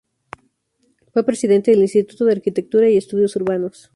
Fue presidente del Instituto de Arquitectura y Estudios Urbanos.